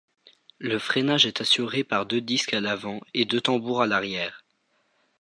Le freinage est assuré par deux disques à l'avant et deux tambours à l'arrière.